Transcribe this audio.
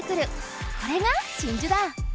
これが真珠だ！